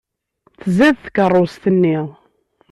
Tzad tkeṛṛust-nni!